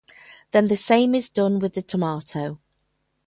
Then the same is done with the tomato.